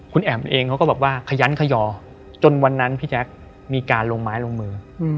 คุณแอ๋มเองเขาก็บอกว่าขยันขยอจนวันนั้นพี่แจ๊คมีการลงไม้ลงมือ